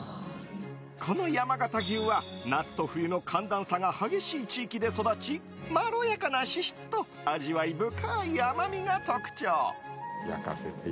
この山形牛は夏と冬の寒暖差が激しい地域で育ちまろやかな脂質と味わい深い甘みが特徴。